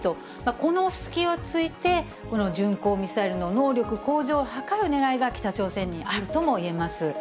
この隙をついて、この巡航ミサイルの能力向上を図るねらいが、北朝鮮にあるともいえます。